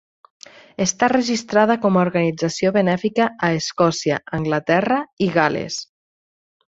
Està registrada com a organització benèfica a Escòcia, Anglaterra i Gal·les.